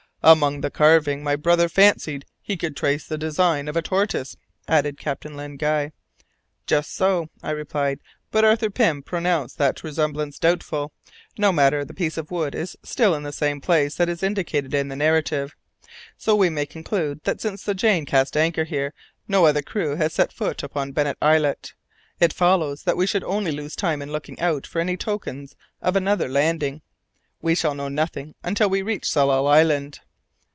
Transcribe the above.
"Among the carving my brother fancied he could trace the design of a tortoise," added Captain Len Guy. "Just so," I replied, "but Arthur Pym pronounced that resemblance doubtful. No matter; the piece of wood is still in the same place that is indicated in the narrative, so we may conclude that since the Jane cast anchor here no other crew has ever set foot upon Bennet Islet. It follows that we should only lose time in looking out for any tokens of another landing. We shall know nothing until we reach Tsalal Island."